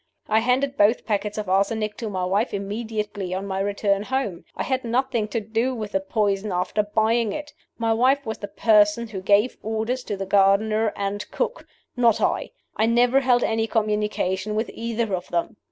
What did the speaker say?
"I handed both packets of arsenic to my wife immediately on my return home. I had nothing to do with the poison after buying it. My wife was the person who gave orders to the gardener and cook not I. I never held any communication with either of them.